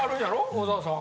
小沢さん。